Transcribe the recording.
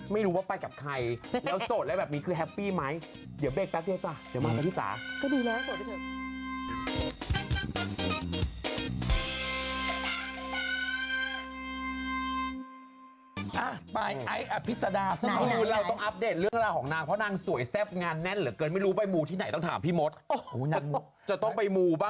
ไม่รู้ว่าไปกับใครแล้วโสดแล้วแบบนี้คือแฮปปี้ไหมเดี๋ยวเบรคแป๊บเดี๋ยวจ้ะเดี๋ยวมาเจ้าพี่จ๋า